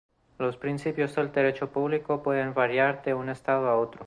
Los principios del derecho público pueden variar de un Estado a otro.